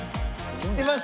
切ってます。